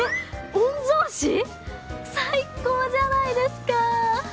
御曹司⁉最高じゃないですか！